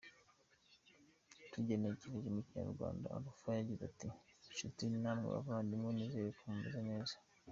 Tugenekereje mu Kinyarwanda Alpha yagize ati “Nshuti namwe bavandimwe, nizere ko mumeze neza.